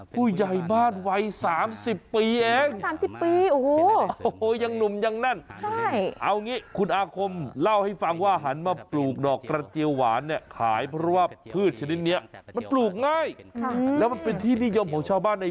ผู้ใหญ่บ้านวัย๓๐ปีเอง